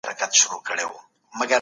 سم نیت جنجال نه خپروي.